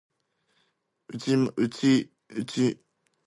Uchimbaji mashimo inafaa ufanywe mapema